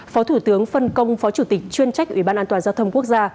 phó thủ tướng phân công phó chủ tịch chuyên trách ủy ban an toàn giao thông quốc gia